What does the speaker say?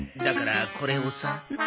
だからこれをさ。